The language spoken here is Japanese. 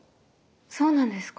そうなんですか？